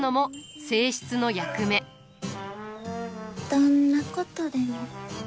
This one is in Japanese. どんなことでも。